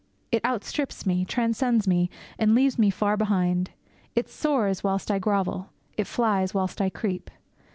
It outstrips me, transcends me, and leaves me far behind. It soars whilst I grovel; it flies whilst I creep.